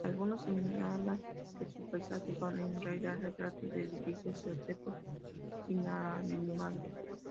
Algunos señalan que sus paisajes son en realidad retratos de edificios y objetos inanimados.